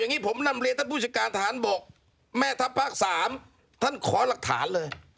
อย่างนี้ผมนำเรียนท่านผู้จัดการฐานบกแม่ทัพภาค๓ท่านขอหลักฐานเลย